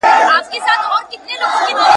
لکه غل چي یې په سترګو وي لیدلی ..